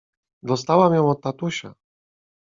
Dostałam ją od tatusia.